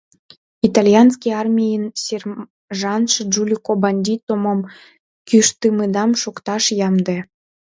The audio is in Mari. — Итальянский армийын сержантше Джулико Бандитто мом кӱштымыдам шукташ ямде.